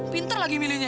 pinter lagi milihnya